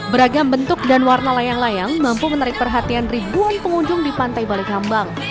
beragam bentuk dan warna layang layang mampu menarik perhatian ribuan pengunjung di pantai balai kambang